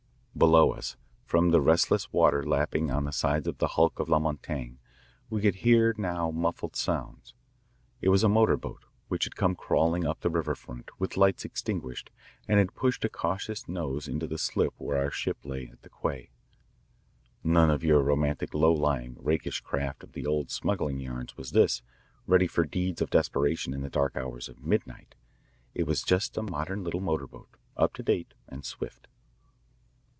Below us, from the restless water lapping on the sides of the hulk of La Montaigne, we could now hear muffled sounds. It was a motor boat which had come crawling up the river front, with lights extinguished, and had pushed a cautious nose into the slip where our ship lay at the quay. None of your romantic low lying, rakish craft of the old smuggling yarns was this, ready for deeds of desperation in the dark hours of midnight. It was just a modern little motor boat, up to date, and swift.